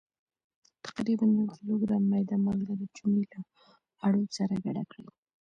تقریبا یو کیلوګرام میده مالګه د چونې له اړوب سره ګډه کړئ.